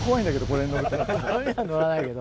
これには乗らないけど。